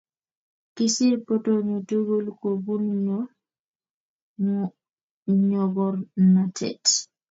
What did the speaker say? Kisir portonyu tugul kobun nyogornatet.